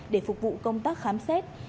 để phục vụ công tác khám xét